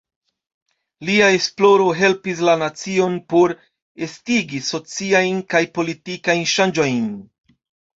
Lia esploro helpis la nacion por estigi sociajn kaj politikajn ŝanĝojn.